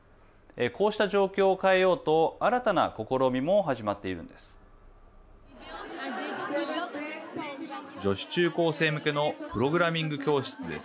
こうした状況を変えようと新たな試みも始まっているんです。